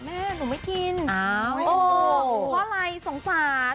น๊าหนูไม่กินพ่อไล้สงสาร